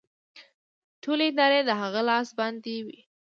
ټولې ادارې د هغه لاس باندې وې